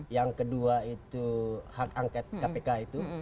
yang kedua itu hak angket kpk itu